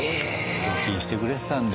抗菌してくれてたんだよ。